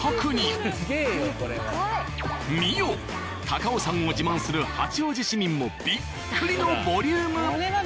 高尾山を自慢する八王子市民もびっくりのボリューム。